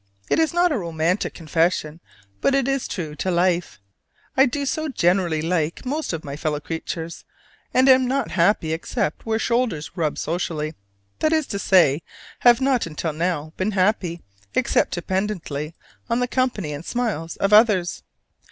It is not a romantic confession, but it is true to life: I do so genuinely like most of my fellow creatures, and am not happy except where shoulders rub socially: that is to say, have not until now been happy, except dependently on the company and smiles of others.